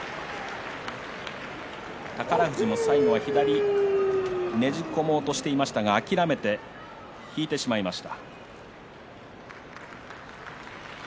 宝富士も最後左ねじ込もうとしたんですが諦めて引いてしまいました。